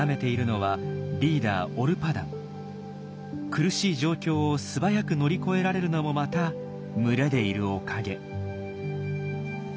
苦しい状況を素早く乗り越えられるのもまた群れでいるおかげ。